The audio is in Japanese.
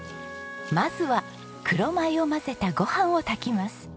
まずは黒米を混ぜたご飯を炊きます。